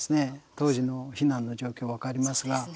当時の避難の状況分かりますが。